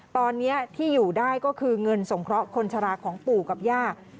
ตอนนี้ที่อยู่ได้ก็คือเงินสงเคราะห์คนชะลาของปู่กับย่า